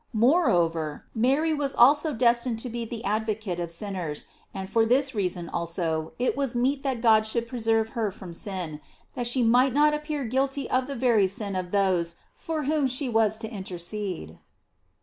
Moreover, Mary was also des tined to be the advocate of sinners; and for this reason also it was meet that God should preserve her from sin, that she might not appear guilty of the very sin of those for whom she was to inter cede.